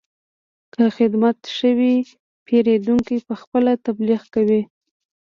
که خدمت ښه وي، پیرودونکی پخپله تبلیغ کوي.